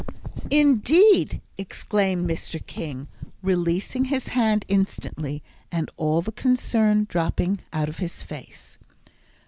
"Indeed!" exclaimed Mr. King, releasing his hand instantly, and all the concern dropping out of his face.